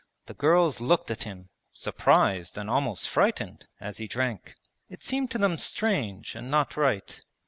The girls looked at him, surprised and almost frightened, as he drank. It seemed to them strange and not right.